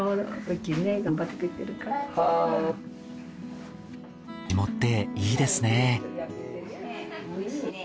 地元っていいですね。